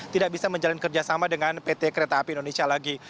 tidak bisa menjalin kerjasama dengan pt kereta api indonesia lagi